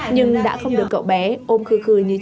nhưng đã không được cậu bé ôm khư khư như trước